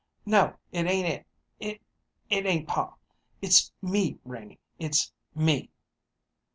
No, it ain't. It it ain't pa. It's me, Renie it's me!"